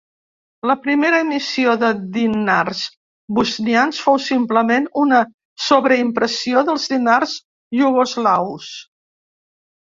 La primera emissió de dinars bosnians fou simplement una sobreimpressió dels dinars iugoslaus.